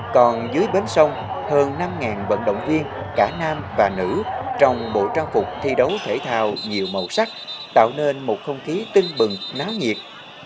còn dưới bến sông hơn năm vận động viên cả nam và nữ trong bộ trang phục thi đấu thể thao nhiều màu sắc tạo nên một không khí tưng bừng náo nhiệt